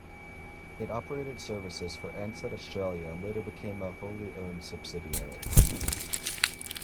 It operated services for Ansett Australia and later became a wholly owned subsidiary.